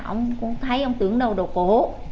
ông cũng thấy ông tưởng đâu đồ cổ